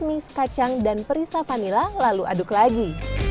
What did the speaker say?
mis mis kacang dan perisa vanila lalu aduk lagi